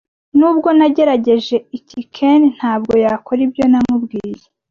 Nubwo nagerageje iki, Ken ntabwo yakora ibyo namubwiye.